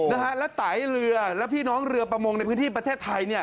นะฮะแล้วไตเรือแล้วพี่น้องเรือประมงในพื้นที่ประเทศไทยเนี่ย